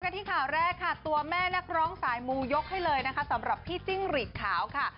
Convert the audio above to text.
ที่ข่าวแรกค่ะตัวแม่นักร้องสายมูยกให้เลยนะคะสำหรับพี่จิ้งหลีดขาวค่ะ